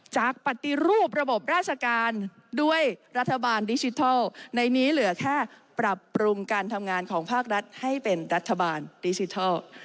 จากปฏิรูประบบราชการด้วยรัฐบาลดิจิทัลในนี้เหลือแค่ปรับปรุงการทำงานของภาครัฐให้เป็นรัฐบาลดิจิทัล